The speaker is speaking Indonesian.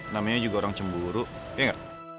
namanya juga orang cemburu ya enggak